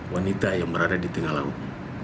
wanita yang berada di tengah laut